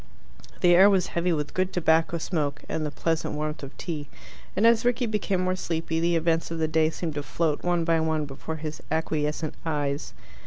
The air was heavy with good tobacco smoke and the pleasant warmth of tea, and as Rickie became more sleepy the events of the day seemed to float one by one before his acquiescent eyes.